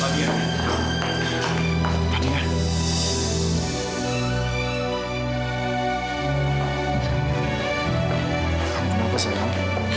kamu kenapa sayang